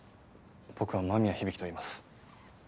僕は間宮響といいます。